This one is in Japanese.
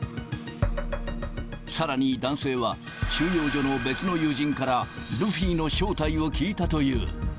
さらに男性は、収容所の別の友人から、ルフィの正体を聞いたという。